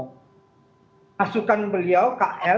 pasukan beliau kl